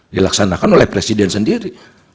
dilaksanakan oleh presiden sendiri